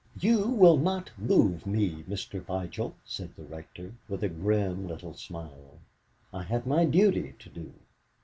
"You will not move me, Mr. Vigil," said the Rector, with a grim little smile. "I have my duty to do."